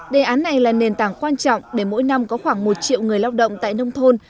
đề án này là nền tảng quan trọng để mỗi năm có khoảng một triệu người lao động tại nông thôn